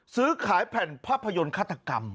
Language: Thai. ซื้อขายแผ่นภาพยนตร์ฆาตกรรม